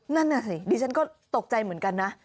นั่นน่ะสิดิฉันก็ตกใจเหมือนกันนะ